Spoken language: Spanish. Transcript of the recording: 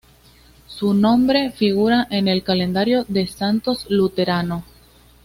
Su nombre figura en el Calendario de Santos Luterano.